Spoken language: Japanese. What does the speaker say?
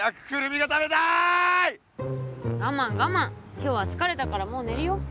今日はつかれたからもうねるよ。